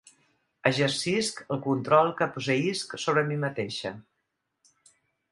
Exercisc el control que posseïsc sobre mi mateixa.